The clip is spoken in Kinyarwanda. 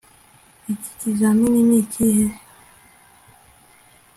iki ikizamini nikihe